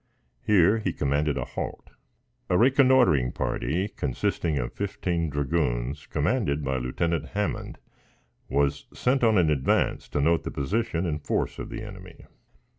Here he commanded a halt. A reconnoitering party, consisting of fifteen dragoons, commanded by Lieutenant Hammond, was sent on in advance to note the position and force of the enemy.